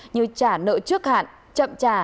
như trả nợ trước hạn chậm trả